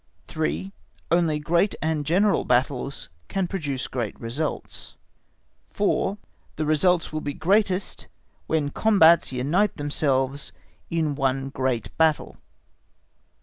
3. Only great and general battles can produce great results. 4. The results will be greatest when combats unite themselves in one great battle.